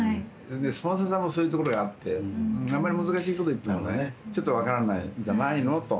スポンサーさんもそういうところがあってあんまり難しいこと言ってもねちょっと分からないんじゃないのと。